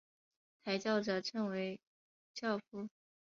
抬轿者称为轿夫。